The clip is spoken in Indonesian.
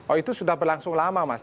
oh itu sudah berlangsung lama mas